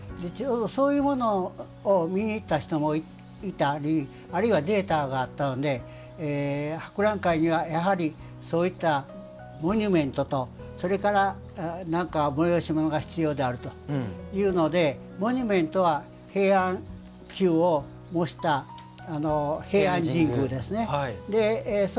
そういうものを見にいった人もいたりあるいはデータがあったので博覧会にはやはりそういったモニュメントとそれから催し物が必要であるというのでモニュメントは平安宮を模した平安神宮ですね。